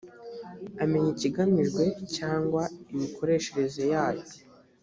amenya ikigamijwe cyangwa imikoreshereze yayo